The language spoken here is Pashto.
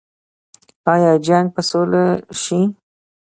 آیا جنګ به سوله شي؟